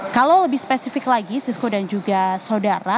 kalau lebih spesifik lagi sisko dan juga saudara